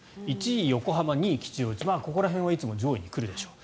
１位横浜、２位吉祥寺ここら辺はいつも上位に来るでしょう。